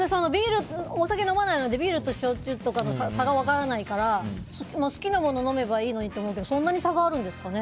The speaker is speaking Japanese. お酒飲まないのでビールと焼酎の差が分からないから好きなもの飲めばいいのにって思うけどそんなに差があるんですか？